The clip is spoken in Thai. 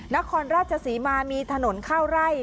นครราชศรีมามีถนนเข้าไร่